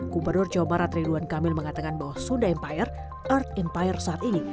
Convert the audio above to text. gubernur jawa barat ridwan kamil mengatakan bahwa sunda empire art empire saat ini